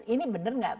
ini bener gak